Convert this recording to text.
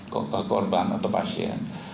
korban atau pasien